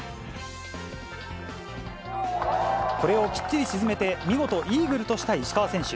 これをきっちり沈めて、見事、イーグルとした石川選手。